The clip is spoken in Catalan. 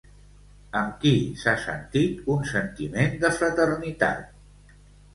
Amb qui s'ha sentit un sentiment de fraternitat?